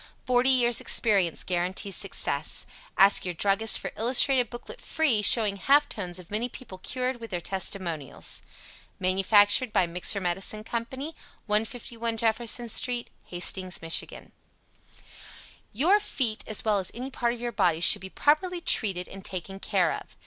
Forty years' experience guarantees success. Ask your Druggist for illustrated Booklet FREE, showing half tones of many people cured, with their testimonials. Manufactured by MIXER MEDICINE CO., 151 Jefferson St., HASTINGS, MICH. YOUR FEET as well as any part of your body, should be properly treated and taken care of.